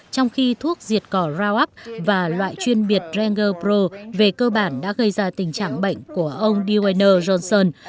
trong khi thuốc diệt cỏ rauup và loại chuyên biệt renger pro về cơ bản đã gây ra tình trạng bệnh của ông d w johnson